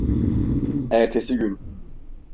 Ertesi gün.